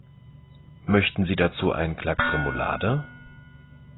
Möchten Sie dazu einen Klacks Remoulade?